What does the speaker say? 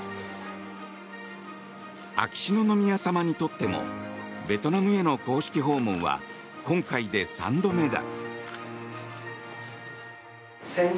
秋篠宮さまにとってもベトナムへの公式訪問は今回で３度目だ。